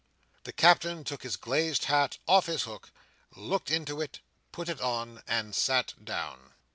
The Captain took his glazed hat off his hook, looked into it, put it on, and sat down.